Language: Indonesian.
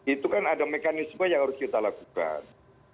itu kan ada mekanisme yang harus kita lakukan